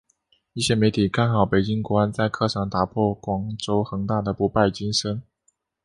一些媒体看好北京国安在客场打破广州恒大的不败金身。